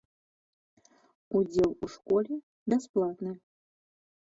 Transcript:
Удзел у школе бясплатны.